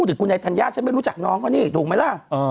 แท่นท่านย่าฉันไม่รู้จักคุณน้องเท่านี้ถูกมั้ยล่ะ